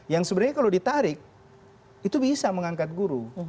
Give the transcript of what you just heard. yang sebenarnya kalau ditarik itu bisa mengangkat guru